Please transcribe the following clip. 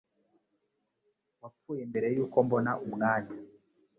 Wapfuye mbere yuko mbona umwanya -